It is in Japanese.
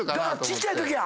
ちっちゃいときや。